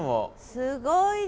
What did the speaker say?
すごいな。